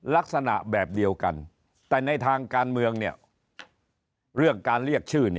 ลักษณะแบบเดียวกันแต่ในทางการเมืองเรื่องการเรียกชื่อ